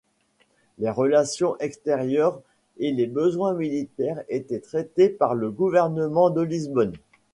Les relations extérieures et les besoins militaires étaient traités par le gouvernement de Lisbonne.